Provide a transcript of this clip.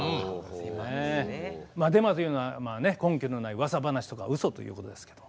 まあデマというのは根拠のないうわさ話とかウソということですけど。